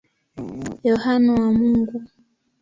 Yohane wa Mungu.